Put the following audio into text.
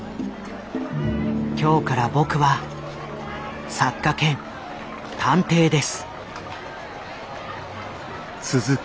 今日から僕は作家兼探偵です」。